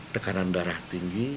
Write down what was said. tekanan darah tinggi